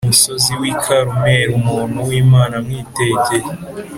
Musozi W I Karumeli Umuntu W Imana Amwitegeye